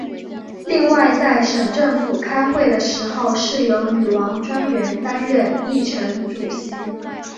另外在省政府开会的时候是由女王专员担任议程主席。